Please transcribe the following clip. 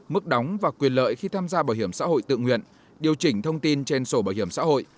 mức đóng và quyền lợi khi tham gia bảo hiểm xã hội tự nguyện điều chỉnh thông tin trên sổ bảo hiểm xã hội